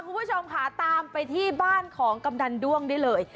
คุณผู้ชมค่ะตามไปที่บ้านของกำนันด้วงได้เลย